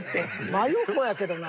真横やけどな。